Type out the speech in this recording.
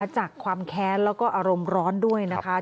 จากความแค้นแล้วก็อารมณ์ร้อนด้วยนะคะ